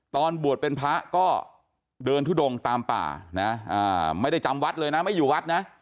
ตอนบวชเป็นพระก็เดินทุดงตามป่านะไม่ได้จำวัดเลยนะไม่อยู่วัดนะ